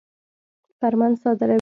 فرمان صادروي.